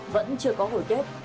vẫn chưa có hồi kết